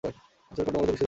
চোরকাঁটা মূলত বর্ষজীবী তৃণ।